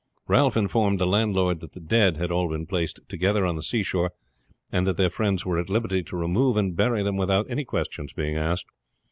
Ralph informed the landlord that the dead had all been placed together on the seashore, and that their friends were at liberty to remove and bury them without any questions being asked.